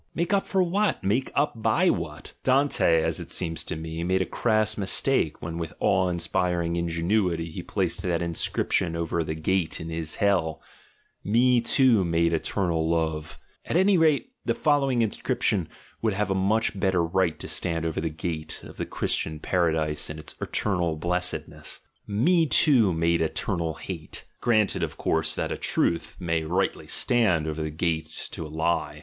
Make up for what? Make up by what? Dante, as it seems to me, made a crass mistake when with awe inspiring ingenuity he placed that inscrip tion over the gate of his hell, "Me too made eternal love": at any rate the following inscription would have a much better right to stand over the gate of the Christian Paradise and its "eternal blessedness" — "Me too made eternal hate" — granted of course that a truth may rightly stand over the gate to a lie!